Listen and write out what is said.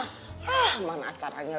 hah mana acaranya